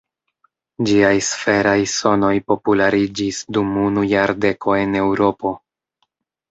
Ĝiaj sferaj sonoj populariĝis dum unu jardeko en Eŭropo.